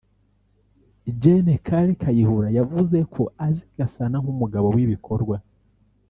Gen Kale Kayihura yavuze ko azi Gasana nk’umugabo w’ibikorwa